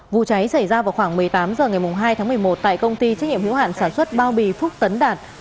vụ cháy xảy ra vào khoảng một mươi tám h ngày hai tháng một mươi một tại công ty trách nhiệm hữu hạn sản xuất bao bì phúc tấn đạt